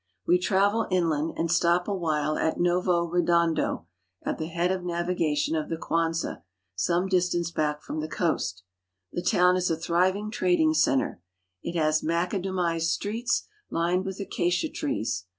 Wl travel inland, and stop awhiie at Novo Redondo, at the head of navigation of the Kuanza, some distance hack from the coast. The town is a thriving trading center It has macadamized streets, lined with acacia trees.